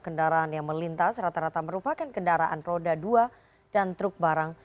kendaraan yang melintas rata rata merupakan kendaraan roda dua dan truk barang